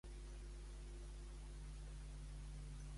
Tot i això, quin es considera que fou el film amb què hi debutà?